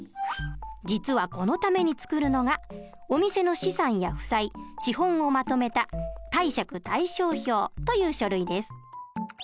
実はこのために作るのがお店の資産や負債資本をまとめた貸借対照表という書類です。